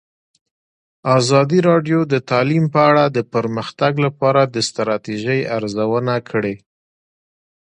ازادي راډیو د تعلیم په اړه د پرمختګ لپاره د ستراتیژۍ ارزونه کړې.